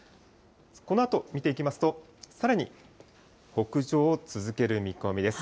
このあと見ていきますと、さらに北上を続ける見込みです。